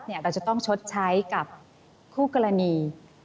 เราจะต้องชดใช้กับคู่กรณี